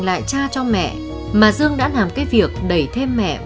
dần thay cho những cử chỉ ân cần